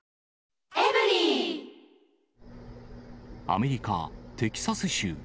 アメリカ・テキサス州。